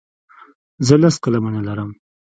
زه لس قلمونه لرم.